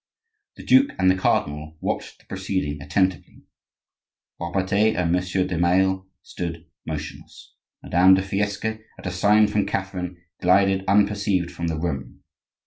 The duke and the cardinal watched the proceeding attentively. Robertet and Monsieur de Maille stood motionless. Madame de Fiesque, at a sign from Catherine, glided unperceived from the room.